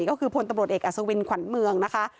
ก็คือพลตำรวจเอกอัศวินขวัญเมืองนะคะ